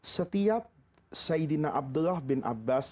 setiap sayyidina abdullah bin abbas